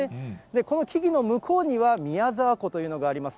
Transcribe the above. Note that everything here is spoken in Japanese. この木々の向こうには、宮沢湖というのがあります。